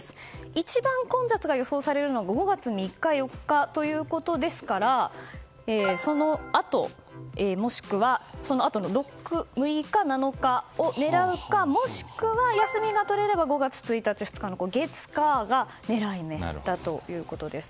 一番混雑が予想されるのが５月３日、４日ということですからそのあとの６日、７日を狙うか、もしくは休みが取れれば５月１日、２日の月火が狙い目だということです。